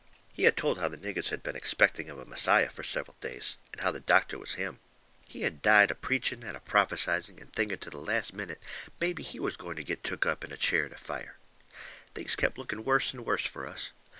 He had told how the niggers had been expecting of a Messiah fur several days, and how the doctor was him. He had died a preaching and a prophesying and thinking to the last minute maybe he was going to get took up in a chariot of fire. Things kept looking worse and worse fur us.